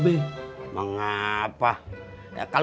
semak deh semasa ada apaan